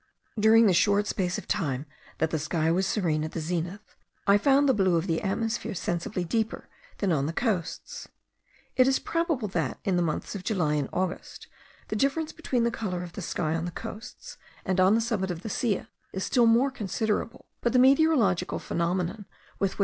During the short space of time that the sky was serene at the zenith, I found the blue of the atmosphere sensibly deeper than on the coasts. It is probable that, in the months of July and August, the difference between the colour of the sky on the coasts and on the summit of the Silla is still more considerable, but the meteorological phenomenon with which M.